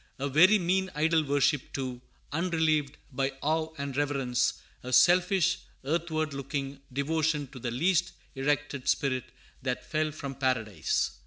A very mean idol worship, too, unrelieved by awe and reverence, a selfish, earthward looking devotion to the "least erected spirit that fell from paradise."